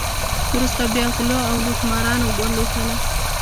وروسته بیا غلو او لوټمارانو ولوټله.